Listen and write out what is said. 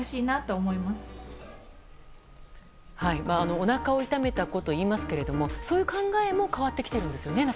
おなかを痛めた子といいますけれどもそういう考えも変わってきているんですよね。